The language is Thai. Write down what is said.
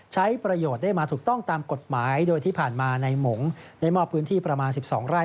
ใช้ประโยชน์ได้มาถูกต้องตามกฎหมายโดยที่ผ่านมาในหมงได้มอบพื้นที่ประมาณ๑๒ไร่